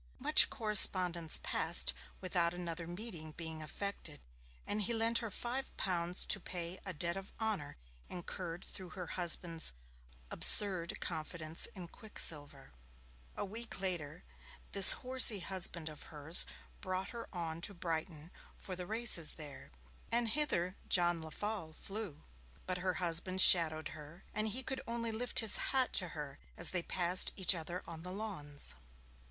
Much correspondence passed without another meeting being effected, and he lent her five pounds to pay a debt of honour incurred through her husband's 'absurd confidence in Quicksilver'. A week later this horsey husband of hers brought her on to Brighton for the races there, and hither John Lefolle flew. But her husband shadowed her, and he could only lift his hat to her as they passed each other on the Lawns.